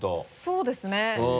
そうですね。